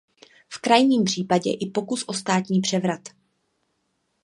V krajním případě i pokusy o státní převrat.